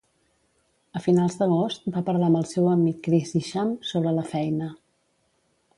A finals d'agost, va parlar amb el seu amic Chris Isham sobre la feina.